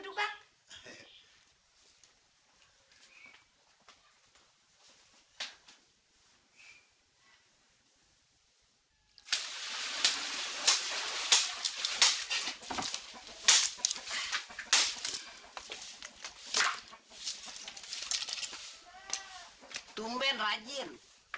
silahkan duduk bang